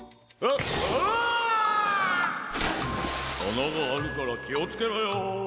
あながあるからきをつけろよ。